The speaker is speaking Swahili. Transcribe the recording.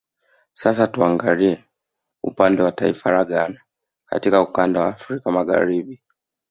Sasa tuangalie upande wa taifa la Ghana katika ukanda wa Afrika Magharibi